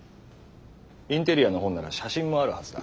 インテリアの本なら写真もあるはずだ。